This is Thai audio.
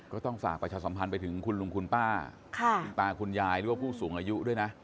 ก็ต้องฝากประชาสัมพันธ์ไปถึงคุณลุงคุณป้าคุณตาคุณยายหรือว่าผู้สูงอายุด้วยนะ